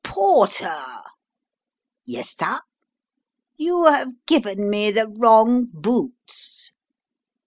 "Porter!" "Yes, sah!" "You have given me the wrong boots."